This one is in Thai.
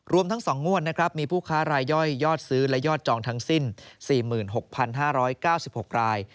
ทั้ง๒งวดนะครับมีผู้ค้ารายย่อยยอดซื้อและยอดจองทั้งสิ้น๔๖๕๙๖ราย